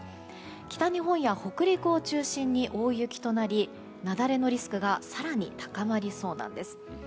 北日本や北陸を中心に大雪となり雪崩のリスクが更に高まりそうなんです。